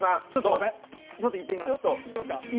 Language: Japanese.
ちょっといってみます。